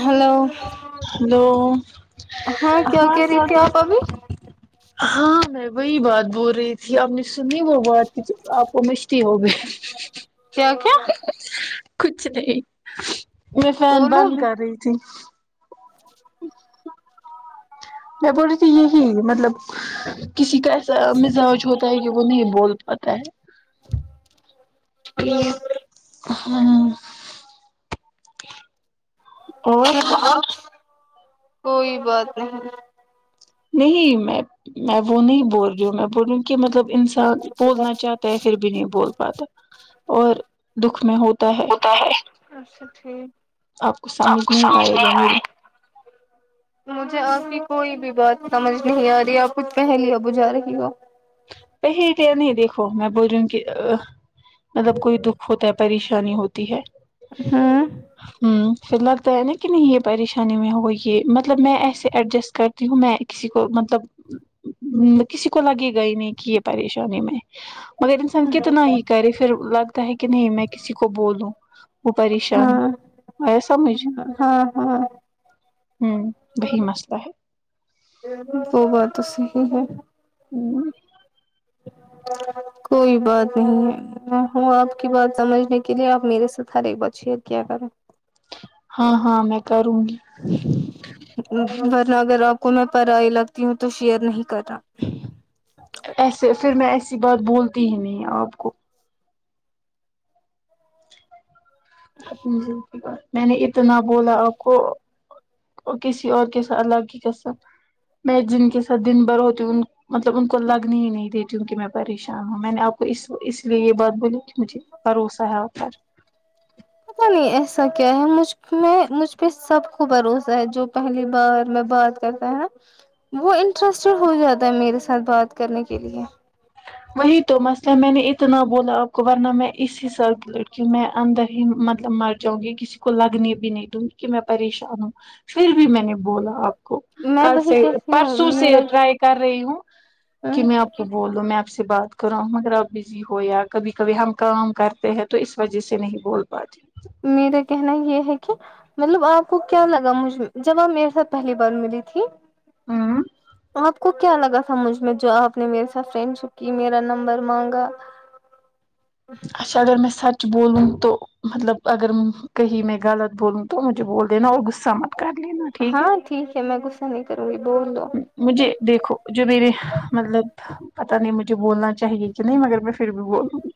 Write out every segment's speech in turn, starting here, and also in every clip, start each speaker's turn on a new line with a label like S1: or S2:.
S1: hello
S2: hello
S1: ہاں کیا کہہ رہی تھے آپ ابھی
S2: ہاں میں وہی بات بول رہی تھی آپ نے سنی وہ بات کی آپ کو مشھتی ہو گئی
S1: کیا کیا
S2: کچھ نہیں میں فون
S1: بولو
S2: بند
S1: بھی
S2: کر رہی تھی میں بول رہی تھی یہی مطلب کسی کا ایسا مزاج ہوتا ہے کہ وہ نہیں بول پاتا ہے
S1: ٹھیک
S2: ہاں اور
S1: ہاں کوئی بات نہیں
S2: نہیں میں میں وہ نہیں بول رہی ہوں میں بول رہی ہوں کہ مطلب انسان بولنا چاہتا ہے پھر بھی نہیں بول پاتا اور دکھ میں ہوتا ہے
S1: اچھا ٹھیک
S2: آپ کو سمجھ نہیں آئے گا میری
S1: مجھے آپ کی کوئی بھی بات سمجھ نہیں آ رہی آپ کچھ پہلیا بجا رہی ہو
S2: پہ نہیں دیکھو میں بول رہی ہوں کہ مطلب کوئی دکھ ہوتا ہے پریشانی ہوتی ہے
S1: ہوں
S2: ہوں پھر لگتا ہے نا کہ نہیں یہ پریشانی میں ہو یہ مطلب میں ایسے ایڈجسٹ کرتی ہوں میں کسی کو مطلب کسی کو لگے گا نہیں کی یہ پریشانی میں مگر انسان کتنا ہی کرے پھر لگتا ہے کہ نہیں میں کسی کو بولوں وہ پریشانی
S1: ہاں
S2: میں سمجھ
S1: ہاں ہاں
S2: ہوں وہی مسئلہ ہے
S1: وہ بات تو صحیح ہے
S2: ہوں
S1: کوئی بات نہیں ہوں آپ کی بات سمجھنے کے لیے آپ میرے ساتھ ہر ایک بات شیئر کیا کریں
S2: ہاں ہاں میں کروں گی
S1: ورنہ اگر آپ کو میں پرائی لگتی ہوں تو شیئر نہیں کر نا
S2: ایسے پھر میں ایسی بات بولتی ہی نہیں آپ کو ج میں نے اتنا بولا آپ کو اور کسی اور کے ساتھ اللہ کی قسم میں جن کے ساتھ دن بھر ہوتی ہوں مطلب ان کو لگنی ہی نہیں دیتیوں کہ میں پریشان ہوں میں نے آپ کو اس اس لیے یہ بات بولی مجھے بھروسہ ہے اپ پر
S1: پتا نہیں ایسا کیا ہے مجھ میں مجھ پہ سب کو بھروسہ ہے جو پہلی بار میں بات ہے وہ انٹرسٹڈ ہو جاتا ہے میرے ساتھ بات کرنے کے لیے
S2: [unintelligible] وہی تو مسئلہ ہے میں نے اتنا بولا آپ کو ورنہ میں اس حساب لڑکی ہوں میں اندر ہی مطلب مر جاوں گی کسی کو لگنے بھی نہیں دوں گی کہ میں پریشان ہوں پھر بھی میں نے بولا آپ
S1: میں
S2: کل
S1: وہی
S2: سے
S1: کہتی ہوں
S2: پرسوں سے
S1: میرا
S2: ٹرائی کر رہی ہوں کہ میں آپ کو بول میں آپ سے بات کر رہا ہوں اگر آپ بزی ہو یا کبھی کبھی ہم کام کرتے ہیں تو اس وجہ سے نہیں بول پاتے [unintelligible]
S1: میرا کہنا یہ ہے کہ مطلب آپ کو کیا لگا مجھ جب آپ میرے ساتھ پہلی بار ملی تھی
S2: ہوں
S1: اپ کو کیا لگا مجھ میں جو آپ نے میرے ساتھ فرینڈ شپ کی میرا نمبر مانگا
S2: اچھا اگر میں سچ بولوں تو مطلب اگر کہیں میں غلط بولوں تو مجھے بول دینا اور غصہ مت کر لینا ٹھیک ہے
S1: ہاں ٹھیک ہے میں غصہ نہیں کروں گی بول دو
S2: مجھے دیکھو جو میرے مطلب پتہ نہیں مجھے بولنا چاہیے کہ نہیں مگر میں پھر بھی بولوں گی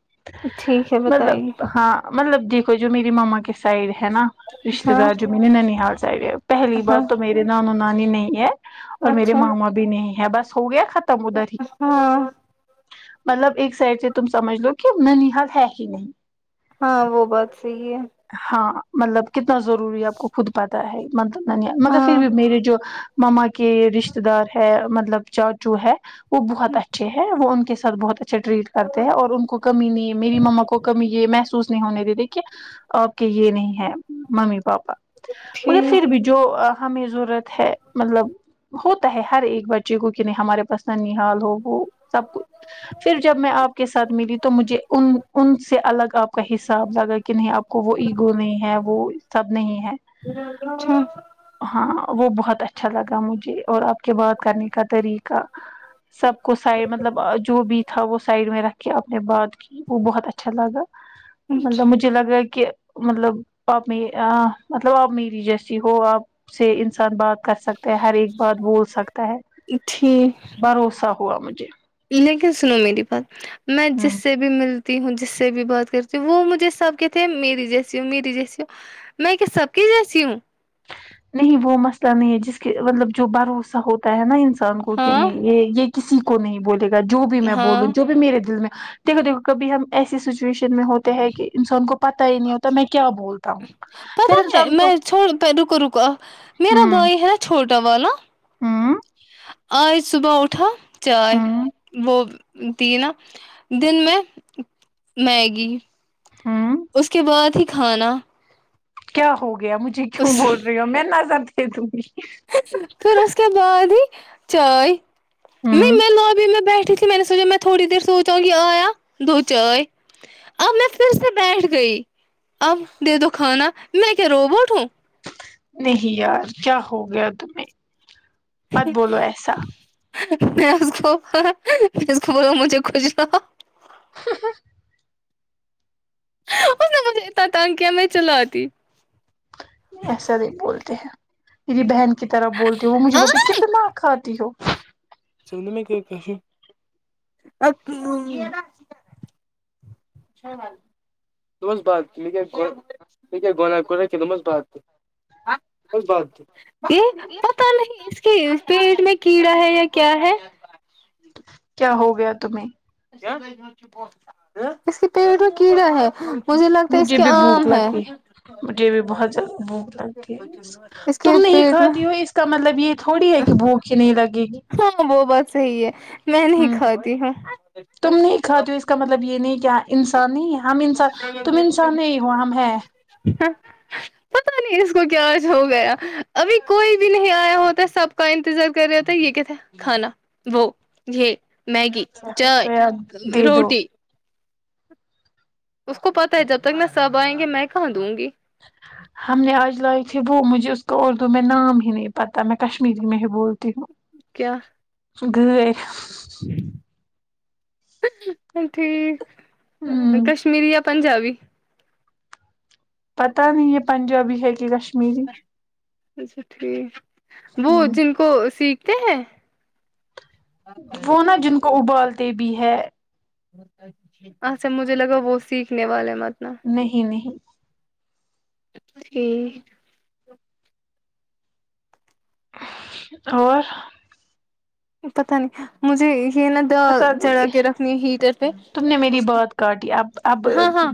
S1: ٹھیک ہے بتائیے
S2: مطلب ہاں مطلب دیکھو جو میری ماما کے سائڈ ہے نا رشتے
S1: ہاں
S2: دار جو میں نے ننیحال سائڈ ہے پہلی
S1: ہاں
S2: بات تو میرے نانو نانی نہیں ہے اور میرے
S1: اچھا
S2: ماما بھی نہیں ہے بس ہو گیا ختم ادھر ہی
S1: ہاں
S2: مطلب ایک سائڈ سے تم سمجھ لو کہ ننی حال ہے ہی نہیں
S1: ہاں وہ بات صحیح ہے
S2: ہاں مطلب کتنا ضروری آپ کو خود پتاہ ہے [unintelligible] مگر پھر
S1: ہاں
S2: بھی میرے جو ماما کے رشتے دار ہے مطلب چا چو ہے وہ بہت اچھے ہیں وہ ان کے ساتھ بہت اچھے ٹریٹ کرتے ہیں اور ان کو کمی نہیں میری مما کو کمی یہ محسوس نہیں ہونے د دی کہ آپ کے یہ نہیں ہے ممی پاپا مگر پھر
S1: ٹھیک
S2: بھی جو ہمیں ضرورت ہے مطلب ہوتا ہے ہر ایک بچے کو کہ نہیں ہمارے پاس ننحال ہو وہ سب پھر جب میں آپ کے ساتھ ملی تو مجھے ان ان سے الگ آپ کا حساب لگا کہ کہ نہیں آپ کو وہ ایگو نہیں ہے وہ سب نہیں ہے
S1: اچھا
S2: ہاں وہ بہت اچھا لگا مجھے اور آپ کے بات کرنے کا طریقہ سب کو سائڈ مطلب جو بھی تھا وہ سائڈ میں رکھ کے اپنے بات کی وہ بہت اچھا لگا مطلب
S1: اچھا
S2: مجھے مجھے لگا کہ مطلب آپ مطلب آپ میری جیسی ہو آپ سے انسان بات کر سکتے ہیں ہر ایک بات بول سکتا ہے
S1: ٹھیک
S2: بھروسہ ہوا مجھے
S1: لیکن سنو میری بات میں
S2: ہ
S1: جس سے بھی ملتی ہوں جس سے بھی بات کرتی وہ مجھے سب کہتے ہیں میری جیسی ہو میری جیسی ہو میں کیا سب کی جیسی ہوں
S2: نہیں وہ مسئلہ نہیں ہے جس کے مطلب جو بھروسہ ہوتا ہے نا ان انسان کو کہ
S1: ہاں
S2: نہیں یہ یہ کسی کو نہیں بولے گا جو بھی میں بولوں
S1: ہاں
S2: جو بھی میرے دل میں دیکھو دیکھو کھی ہم ایسی سچویشن میں ہوتے ہے کہ انسان کو پتا ہی نہیں ہوتا میں کیا بولتا ہوں پھر انسان کو
S1: چھو رکو رکو میرا
S2: ہوں
S1: بھائی ہے چھوٹا والا
S2: ہوں
S1: آج صبح اٹھا چائے
S2: ہوں
S1: وہ تھی نا دن میں میگی
S2: ہوں
S1: اس کے بعد ہی کھانا
S2: کیا ہو گیا مجھے کیوں
S1: اس
S2: بول رہی ہو میں نظر دے دوں گی
S1: پھر اس کے بعد ہی چائے
S2: ہوں
S1: نہیں میں لوابی میں بیٹھی تھی میں نے سوچا میں تھوڑی دیر سوچا کہ آیا دو چائے اب میں پھر سے بیٹھ گئی اب دے دو کھانا میں کیا روبوٹ ہوں
S2: نہیں یار کیا ہو گیا تمیں مت بولو ایسا
S1: میں اس کو میں اس کو بولو مجھےخوجاؤ اس نے مجھے اتنا تنگ کیا میں چلاتی
S2: ایسا نہیں بولتے ہیں میری بہن کی طرف بولتی ہو وہ مجھے بولتی کتنا کھاتی ہو
S1: چولیں میں کیک ہے جی [unintelligible] پتا نہیں اس کی اسپیڈ کیڑا ہے یا کیا ہے
S2: کیا ہو گیا تمہیں
S1: اس کے پیڑ میں کیڑا ہے مجھے لگتا ہے اس کے
S2: بھی بھوک
S1: آم ہیں
S2: لگتی ہے مجھے بھی بہت زیادہ بھوک لگتی
S1: اس کے پیٹ میں
S2: تو مطلب یہ تھوڑی ہے کہ بھوک ہی نہیں لگے گی
S1: ہاں وہ بات صحی ہے میں نہیں
S2: ہ
S1: کھاتی ہوں
S2: تم نہیں کھاتے ہو اس کا مطلب یہ نہیں کہ انسان ہی ہے ہم انسان تم انسان نہیں ہو ہم ہیں
S1: ہاں پتا نہیں اس کو کیا آج ہو گیا ابھی کوئی بھی نہیں آیا ہوتا سب کا انتظار کر رہا ہوتا ہے یہ کہتا کھانا وہ یہ میگی چائے
S2: ہے دے دو
S1: روٹی اس کو پتا ہے جب تک نا سب آئیں گے میں کہاں دوں گی
S2: ہم نے آج لائی تھی وہ مجھے اس کو اردو میں نام ہی نہیں پتہ میں کشمیری میں ہی بولتی ہوں
S1: کیا
S2: گئے
S1: ٹھیک
S2: ہوں
S1: کشمیری یا پنجابی
S2: پتا نہیں یے پنجابی ہے کی کش
S1: اچھا ٹھیک وہ جن کو سیکھ تے ہیں
S2: وہ نا جن کو ابالتے بھی ہے
S1: اچھا مجھے لگا وہ سیکھنے والے مت نا
S2: نہیں نہیں
S1: ٹھیک
S2: اور
S1: پتا نہیں مجھے یہ نا
S2: پتا
S1: دال چڑھا
S2: نہیں
S1: کے رکھنی ہیٹر پے
S2: تم نے میری
S1: اس کو
S2: بات کاٹی اب اب
S1: ہاں ہاں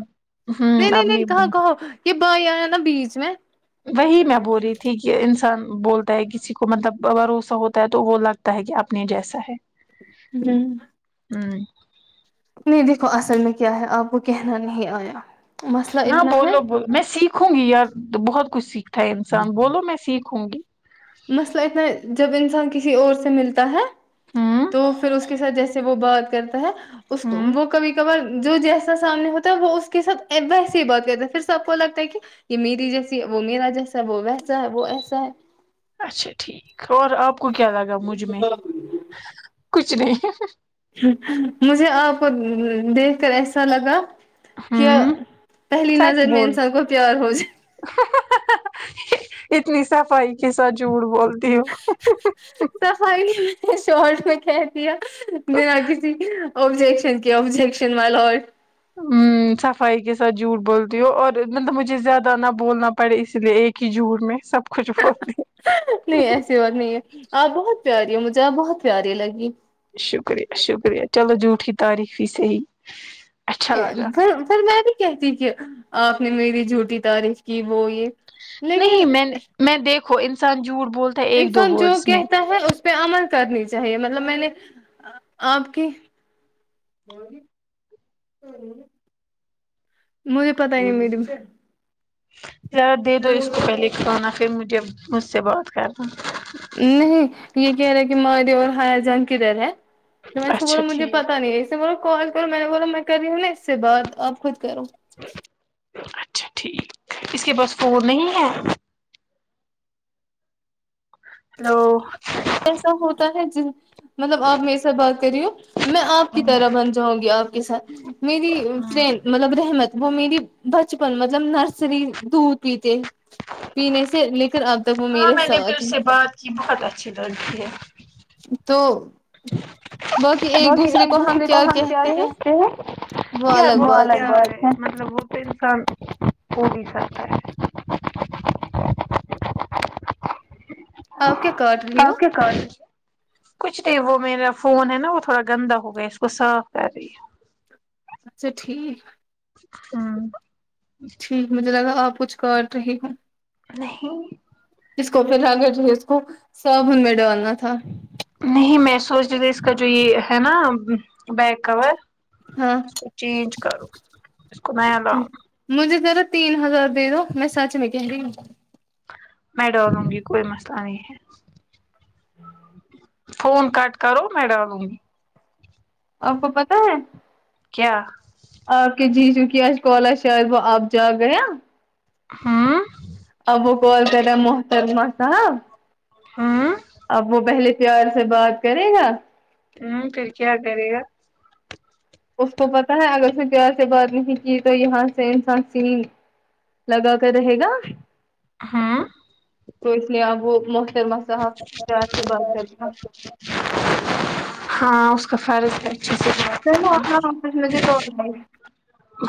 S2: ہوں
S1: نہیں نہیں
S2: اب
S1: نہیں کہاں کہو یہ بھائی آیا نا بیچ میں
S2: وہی میں بول رہی تھی کہ انسان بولتا ہے کسی کو مطلب بھروسہ ہوتا ہے تو وہ لگتا ہے کی اپنے جیسا ہے
S1: جی
S2: ہوں
S1: نہیں دیکھو اصل میں کیا ہے آپ کو کہنا نہیں آیا مسئلہ
S2: ہاں
S1: اتنا ہے
S2: بولو بو میں سیکھوں گی یار بہت کچھ سیکھتا ہے انسان بولو میں سیکھوں گی
S1: مسلہ اتنا جب انسان کسی اور سے ملتا ہے
S2: ہوں
S1: تو فیر اس کے ساتھ جیسے وہ بات کرتا ہے اس کو
S2: ہوں
S1: وہ کبھی کبار جو جیسا سامنے ہوت ا وہ اس کے ساتھ ویسے ہی بات کرتا فیر سب کو لگتا ہے کی یے میری جیسی وہ میرا جیسا ہے وہ ویسا ہے وہ ایسا ہے
S2: اچھا ٹھیک اور آپ کو کیا لگا مجھ میں کچھ نہیں
S1: مجھے آپ کو دیکھ کر ایسا لگا کیا
S2: ہوں
S1: پہلی
S2: سچ
S1: نظر میں
S2: بول
S1: انسان کو پیار ہو جائے
S2: اتنی صفائی کے ساتھ جھوٹ بولتی ہو
S1: صفائی شارٹ میں کہہ دیا بینا کسی ابجیکشن کے ابجیکشن مائی لارڈ
S2: امم صفائی کے ساتھ جھوٹ بولتی ہو اور مطلب مجھے زیادہ نہ بولنا پڑے اسی لیے ایک کی جور میں سب کچھ بولتی ہوں
S1: نہیں ایسی بات نہیں ہے آپ بہت پیاری ہو مجھے آپ بہت پیاری لگی
S2: شکریہ شکریہ چلو جھوٹی تعریف ہی صحیح
S1: پھر پھر میں بھی کہتی کہ آپ نے میری جھوٹی تعریف کی وہ یہ
S2: نہیں
S1: لیکن
S2: میں نے میں دیکھو انسان جھوٹ بول
S1: انسان جو کہتا ہے اس پے عمل کرنی چاہیے مطلب میں نے ا آپ کی مجھے پتا ہی نہیں میڈم
S2: ذرا دے دو اس کو پہلے کھانا پھر مجھے مجھ سے بات کرنا
S1: نہیں یہ کہہ رہے کے مایا اور ہایا جان کدر ہے تو میں اس نے کو بولا
S2: اچھا
S1: مجھے
S2: ٹھیک
S1: پتا نہیں ہے اس نے بولا کال کرو میں بولا میں کری ہوں نا اس سے بات اب خود کروں
S2: اچھا ٹھیک اس کے پاس فون نہیں ہے ہیلو
S1: ایسا ہوتا ہے جن مطلب آپ میرے سے بات کر رہی ہو میں آپ کی طرح بن جاؤں گی آپ کے ساتھ میری فرینڈ مطلب رحمت وہ میری بچپن مطلب نرسری دودھ پیتے پینے سے لے کر اب تک وہ
S2: ہاں
S1: میرے
S2: میں نے پھر
S1: ساتھ
S2: اس سے بات کی بہت اچھی لڑکی ہے
S1: تو
S2: باقی ایک دوسرے کو ہم کیا کہتے ہیں
S1: وہ
S2: کیا [unintelligible]
S1: الگ بات ہے
S2: مطلب وہ تو انسان ہو نہیں سکتا ہے
S1: [unintelligible]
S2: آپ کیا کر کچھ نہیں وہ میرا فون ہے نا وہ تھوڑا گندا ہو گیا اس کو صاف کر رہی ہے
S1: اچھا ٹھیک
S2: ہوں
S1: ٹھیک مجھے لگا آپ کچھ کاٹ رہی ہو
S2: نہیں
S1: جس کو [unintelligible] پھر رگر جو ہے اس کو صابن میں ڈالنا تھا
S2: نہیں میں سوچ رہی تھی اس کا جو یہ ہے نا بیک کور
S1: ہاں
S2: اس کو چینج کرو اس کو نیا لؤں
S1: ٹھیک، مجھے ذرا تین ہزار دے دو میں سچ میں کہ رہی ہوں
S2: میں ڈالوں گی کوئی مسئلہ نہیں ہے فون کٹ کرو میں ڈالوں گی
S1: آپ کو پتا ہے
S2: کیا
S1: آپ کے جیجوکی آج کال ہے شاید وہ آپ جا گیا
S2: ہاں
S1: اب وہ کال کر رہا ہے محترمہ کا
S2: ہاں
S1: اب وہ پہلے پیار سے بات کرے گا
S2: ہوں پھر کیا کرے گا
S1: اس کو پتاہ ہے اگر اس نے پیار سے بات نہیں کی تو یہاں سے انسان سین لگا کر رہے گا
S2: ہاں
S1: تو اس لیے اب وہ محترمہ صاحب پیار سے بات کرے گا
S2: [unintelligible] ہاں اس کا فرض ہے اچھے سے بات
S1: سنو
S2: کرنا
S1: آپ نا وپاس مجھے کال کرنا